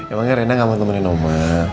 emangnya rena gak mau temenin oma